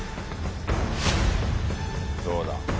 どうだ？